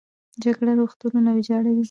جګړه روغتونونه ویجاړوي